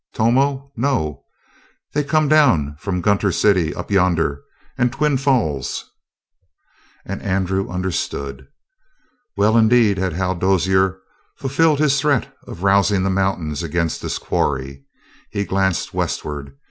"Tomo? No. They come down from Gunter City, up yonder, and Twin Falls." And Andrew understood. Well indeed had Hal Dozier fulfilled his threat of rousing the mountains against this quarry. He glanced westward.